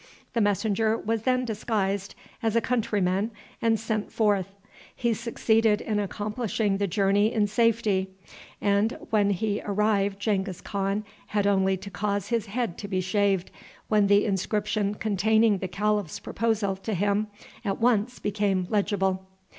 The messenger was then disguised as a countryman and sent forth. He succeeded in accomplishing the journey in safety, and when he arrived Genghis Khan had only to cause his head to be shaved, when the inscription containing the calif's proposal to him at once became legible.